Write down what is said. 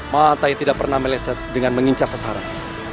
mata yang tidak pernah meleset dengan mengincar sasaran